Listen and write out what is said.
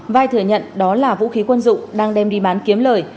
vai thừa nhận đó là vũ khí quân dụng đang đem đi bán kiếm lời